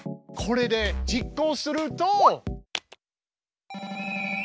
これで実行すると。